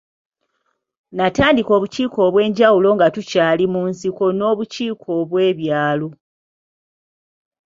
Natandika obukiiko obw’enjawulo nga tukyali mu nsiko n’obukiiko bw’ebyalo.